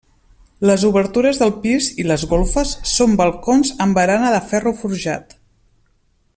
Les obertures del pis i les golfes són balcons amb barana de ferro forjat.